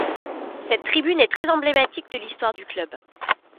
Cette tribune est très emblématique de l’histoire du club.